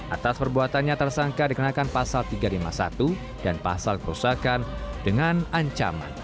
atas perbuatannya tersangka dikenakan pasal tiga ratus lima puluh satu dan pasal kerusakan dengan ancaman